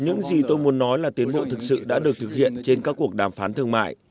những gì tôi muốn nói là tiến bộ thực sự đã được thực hiện trên các cuộc đàm phán thương mại